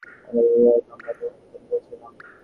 আমরা ওদের অভিভাবক, আমরাই তখন ফোন করেছিলাম।